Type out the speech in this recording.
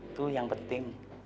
itu yang penting